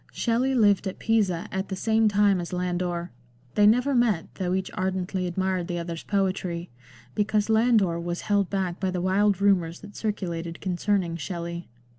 Shelley lived at Pisa at the same time as Landor ; they never met, though each ardently admired the other's poetry, because Landor was held back by the wild rumours that circulated concerning Shelley.